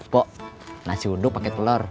pok nasi unduk pake telur